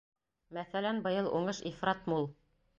Мәҫәлән, быйыл уңыш ифрат мул.